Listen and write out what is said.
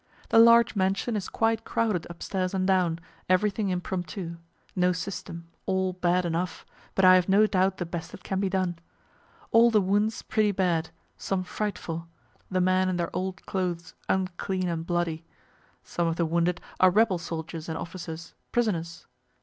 The large mansion is quite crowded upstairs and down, everything impromptu, no system, all bad enough, but I have no doubt the best that can be done; all the wounds pretty bad, some frightful, the men in their old clothes, unclean and bloody. Some of the wounded are rebel soldiers and officers, prisoners.